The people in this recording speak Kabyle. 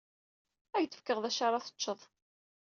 Ad ak-fkeɣ d acu ara teččeḍ.